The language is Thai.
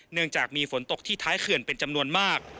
เนื่องจากมีฝนตกที่ท้ายเขื่อนเป็นจำนวนมาก